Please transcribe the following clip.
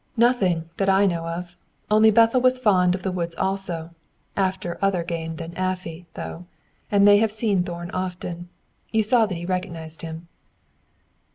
"Nothing that I know of. Only Bethel was fond of the woods also after other game than Afy, though and may have seen Thorn often. You saw that he recognized him."